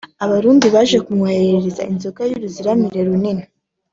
Abarundi baje kumwoherereza inzoka y’uruziramire runini